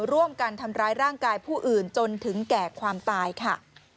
ร่วมกันทำร้ายร่างกายผู้อื่นจนถึงแก่ความตายค่ะ